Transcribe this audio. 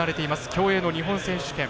競泳の日本選手権。